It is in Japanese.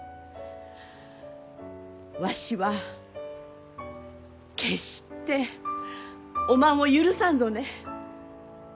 わしは決しておまんを許さんぞね。